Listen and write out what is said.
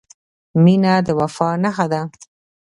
• مینه د وفا نښه ده.